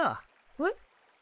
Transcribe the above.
えっ？